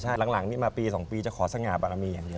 ใช่หลังนี่มาปี๒ปีจะขอสง่าบารมีอย่างเดียว